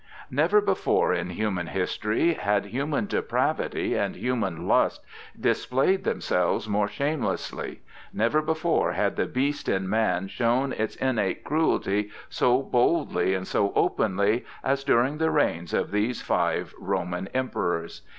Never before in human history had human depravity and human lust displayed themselves more shamelessly; never before had the beast in man shown its innate cruelty so boldly and so openly as during the reigns of these five Roman Emperors.